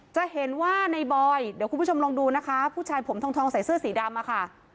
จะเห็นว่าในบอยเดี๋ยวคุณผู้ชมลองดูนะคะผู้ชายผมทองใส่เสื้อสีดำอะค่ะ